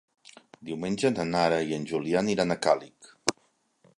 Diumenge na Nara i en Julià aniran a Càlig.